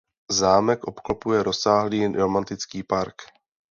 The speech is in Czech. Zámek obklopuje rozsáhlý romantický park.